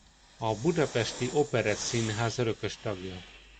A Budapesti Operettszínház örökös tagja.